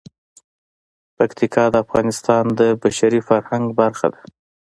پکتیکا د افغانستان د بشري فرهنګ برخه ده.